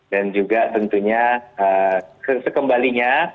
dan juga tentunya sekembalinya